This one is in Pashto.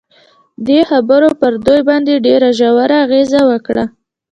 دې خبرو پر دوی باندې ډېر ژور اغېز وکړ